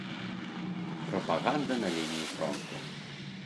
Прапаганда на лініі фронту.